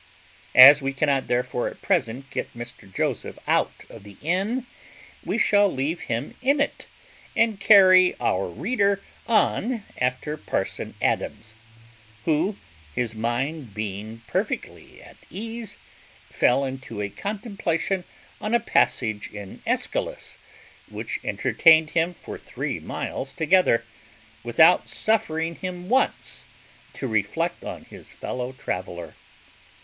As we cannot therefore at present get Mr Joseph out of the inn, we shall leave him in it, and carry our reader on after parson Adams, who, his mind being perfectly at ease, fell into a contemplation on a passage in Aeschylus, which entertained him for three miles together, without suffering him once to reflect on his fellow traveller.